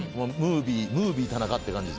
ムービー田中って感じですね。